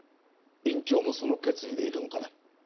院長もその決意でいるのかね？